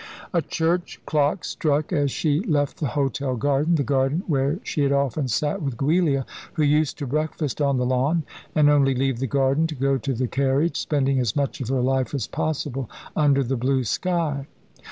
A church clock struck as she left the hotel garden, the garden where she had often sat with Giulia, who used to breakfast on the lawn, and only leave the garden to go to the carriage spending as much of her life as possible under the blue sky.